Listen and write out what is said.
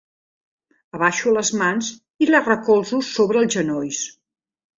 Abaixo les mans i les recolzo sobre els genolls.